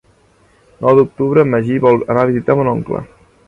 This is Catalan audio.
El nou d'octubre en Magí vol anar a visitar mon oncle.